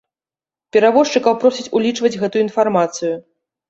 Перавозчыкаў просяць улічваць гэтую інфармацыю.